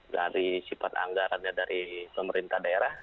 dari sifat anggarannya dari pemerintah daerah